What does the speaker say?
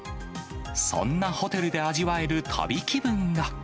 そんなホテルで味わえる旅気分が。